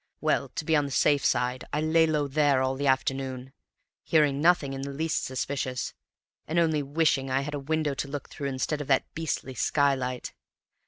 Well, to be on the safe side, I lay low there all the afternoon, hearing nothing in the least suspicious, and only wishing I had a window to look through instead of that beastly skylight.